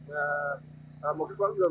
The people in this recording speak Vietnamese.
và sự hộp với nước bạn ở đây không